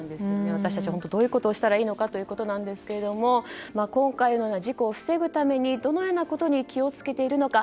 私たちどういうことをしたらいいのかということですが今回のような事故を防ぐためにどのようなことに気を付けているのか。